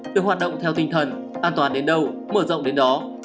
được hoạt động theo tinh thần an toàn đến đâu mở rộng đến đó